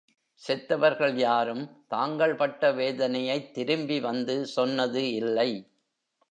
செத்தவர்கள் யாரும் தாங்கள் பட்ட வேதனையைத் திரும்பி வந்து சொன்னது இல்லை.